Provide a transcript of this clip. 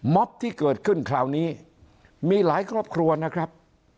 ที่เกิดขึ้นคราวนี้มีหลายครอบครัวนะครับ